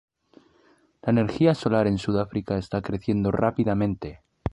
La energía solar en Sudáfrica está creciendo rápidamente.